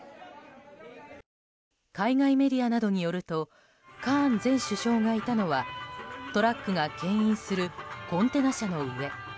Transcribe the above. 海外メディアなどによるとカーン前首相がいたのはトラックが牽引するコンテナ車の上。